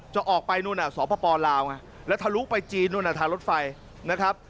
จะออกไปนู่นน่ะสพลาวและทะลุไปจีนนู่นน่ะทางรถไฟนะครับ